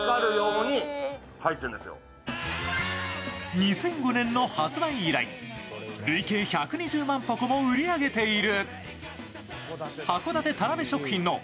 ２００５年の発売以来累計１２０万箱も売り上げている。